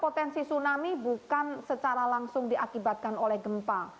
potensi tsunami bukan secara langsung diakibatkan oleh gempa